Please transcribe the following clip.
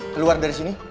keluar dari sini